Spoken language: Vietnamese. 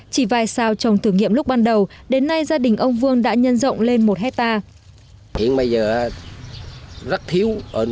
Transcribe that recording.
chỉ vài sao trồng thử nghiệm lúc ban đầu đến nay gia đình ông vương đã nhân rộng lên một hectare